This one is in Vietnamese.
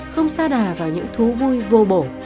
không xa đà vào những thú vui vô bổ